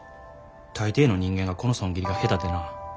大抵の人間がこの損切りが下手でなぁ。